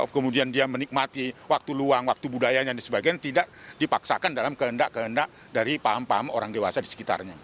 kemudian dia menikmati waktu luang waktu budayanya dan sebagainya tidak dipaksakan dalam kehendak kehendak dari paham paham orang dewasa di sekitarnya